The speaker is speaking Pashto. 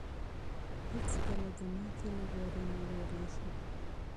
هیڅکله د ناکامۍ له وېرې مه وېرېږئ.